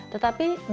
tetapi bisa diperlukan